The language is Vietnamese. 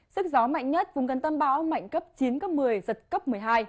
sức gió mạnh nhất vùng gần tâm báo mạnh cấp chín một mươi giật cấp một mươi hai